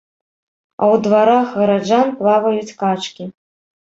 А ў дварах гараджан плаваюць качкі.